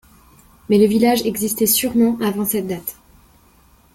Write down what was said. Mais le village existait sûrement avant cette date.